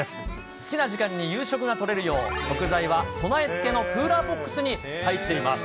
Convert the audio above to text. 好きな時間に夕食が取れるよう、食材は備えつけのクーラーボックスに入っています。